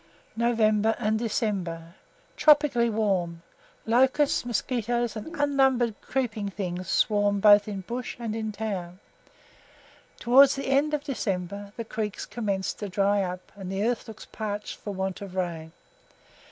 NOVEMBER AND DECEMBER. Tropically warm. Locusts, mosquitos, and unnumbered creeping things swarm both in bush and town. Towards the end of December the creeks commence to dry up, and the earth looks parched for want of rain.